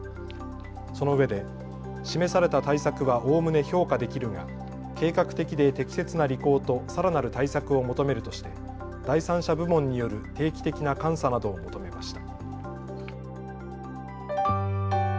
そのうえで示された対策はおおむね評価できるが計画的で適切な履行とさらなる対策を求めるとして第三者部門による定期的な監査などを求めました。